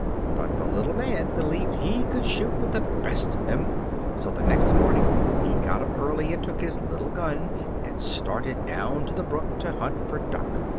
But the little man believed he could shoot with the best of them, so the next morning he got up early and took his little gun and started down to the brook to hunt for duck.